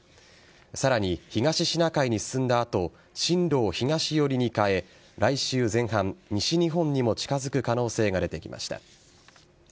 さらに東シナ海に進んだ後進路を東寄りに変え来週前半、西日本にも近づく可能性が出てきました。